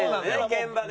現場で。